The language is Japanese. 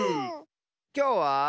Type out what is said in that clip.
きょうは。